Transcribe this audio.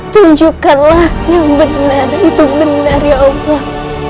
tunjukkanlah yang benar itu benar ya allah